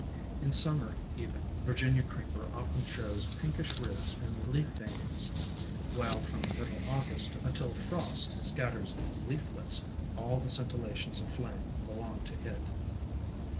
In Summer even, Virginia Creeper often shows pinkish ribs and leaf veinings, while from middle August until frost scatters the leaflets all the scintillations of flame belong to it.